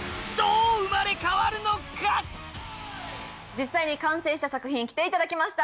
実際に完成した作品着ていただきました。